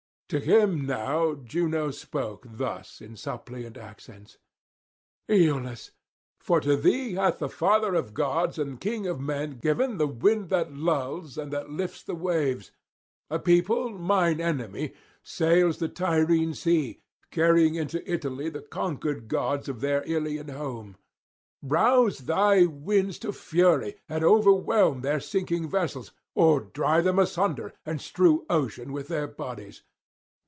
To him now Juno spoke thus in suppliant accents: 'Aeolus for to thee hath the father of gods and king of men given the wind that lulls and that lifts the waves a people mine enemy sails the Tyrrhene sea, carrying into Italy the conquered gods of their Ilian home. Rouse thy winds to fury, and overwhelm their sinking vessels, or drive them asunder and strew ocean with their bodies.